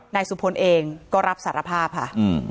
นายสุพลเองก็รับสารภาพค่ะ